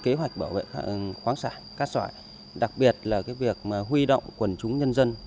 kế hoạch bảo vệ khoáng sản cát sỏi đặc biệt là việc huy động quần chúng nhân dân